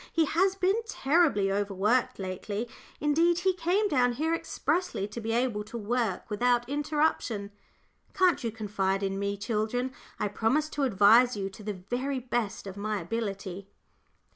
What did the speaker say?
He has been terribly overworked lately; indeed, he came down here expressly to be able to work without interruption. Can't you confide in me, children? I promise to advise you to the very best of my ability."